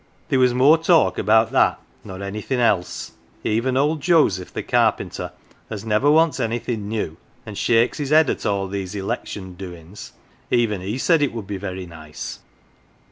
There was more talk about that nor anything else; even old Joseph the carpenter, as never wants anything new, and shakes his head at all these election 111 POLITICS doin's, even he said it would be very nice.